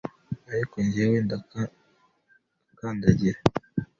ariko njyewe ndakandagira